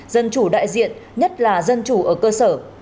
dân chủ đại diện nhất là dân chủ ở cơ sở